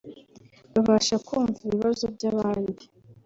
babasha kumva ibibazo by’abandi